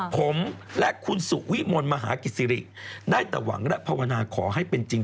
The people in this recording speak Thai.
ผมและคุณสุวิมลมหากิจศิริได้แต่หวังและภาวนาขอให้เป็นจริง